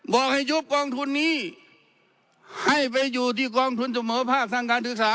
บอกให้ยุบกองทุนนี้ให้ไปอยู่ที่กองทุนเสมอภาคทางการศึกษา